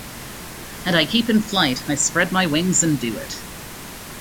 And I keep in flight-I spread my wings and do it.